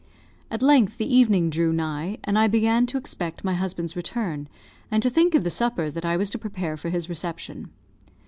At length the evening drew nigh, and I began to expect my husband's return, and to think of the supper that I was to prepare for his reception.